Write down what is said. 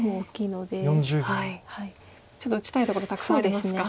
ちょっと打ちたいところたくさんありますか。